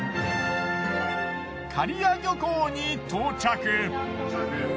仮屋漁港に到着。